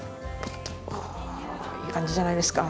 おいい感じじゃないですか。